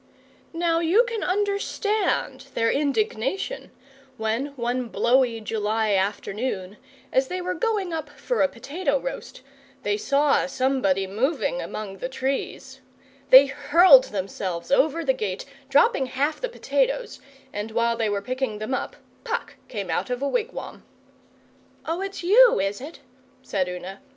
Now you can understand their indignation when, one blowy July afternoon, as they were going up for a potato roast, they saw somebody moving among the trees. They hurled themselves over the gate, dropping half the potatoes, and while they were picking them up Puck came out of a wigwam. 'Oh, it's you, is it?' said Una.